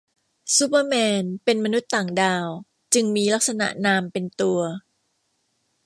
ซูเปอร์แมนเป็นมนุษย์ต่างดาว จึงมีลักษณะนามเป็นตัว